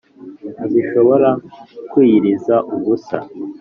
ntizishobora kwiyiriza ubusa